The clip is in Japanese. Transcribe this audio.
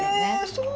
そう。